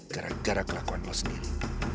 gara gara kelakuan lo sendiri